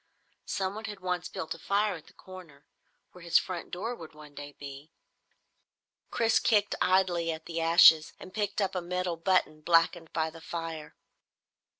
Someone had once built a fire at the corner, where his front door would one day be. Chris kicked idly at the ashes and picked up a metal button blackened by the fire.